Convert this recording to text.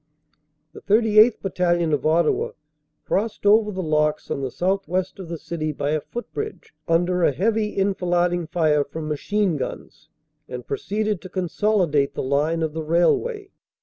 The 38th. Battalion, of Ottawa, crossed over the locks on the southwest of the city by a footbridge under a heavy enfil ading fire from machine guns, and proceeded to consolidate the line of the railway.